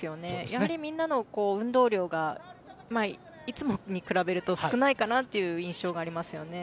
やはりみんなの運動量がいつもに比べると少ないかなという印象がありますね。